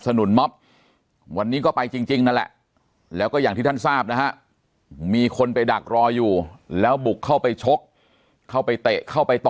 นุนม็อบวันนี้ก็ไปจริงนั่นแหละแล้วก็อย่างที่ท่านทราบนะฮะมีคนไปดักรออยู่แล้วบุกเข้าไปชกเข้าไปเตะเข้าไปต่อ